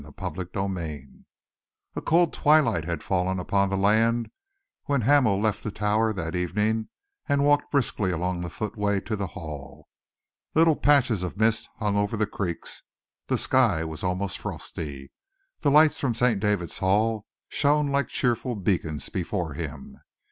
CHAPTER XXIX A cold twilight had fallen upon the land when Hamel left the Tower that evening and walked briskly along the foot way to the Hall. Little patches of mist hung over the creeks, the sky was almost frosty. The lights from St. David's Hall shone like cheerful beacons before him.